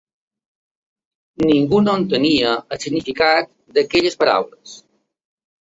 Ningú no entenia el significat d'aquelles paraules.